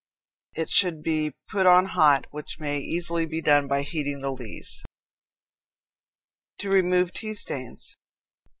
It should be put on hot, which may easily be done by heating the lees. To Remove Tea Stains.